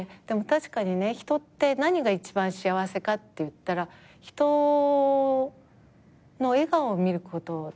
でも確かにね人って何が一番幸せかっていったら人の笑顔を見ること